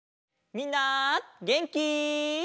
みんなげんき？